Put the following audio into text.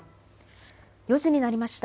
４時になりました。